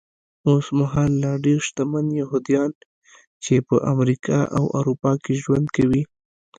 اوسمهال لا ډېر شتمن یهوديان چې په امریکا او اروپا کې ژوند کوي.